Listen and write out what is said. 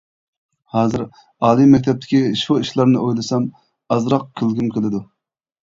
ھازىر ئالىي مەكتەپتىكى شۇ ئىشلارنى ئويلىسام ئازراق كۈلگۈم كېلىدۇ.